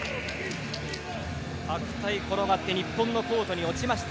転がって日本のコートに落ちました。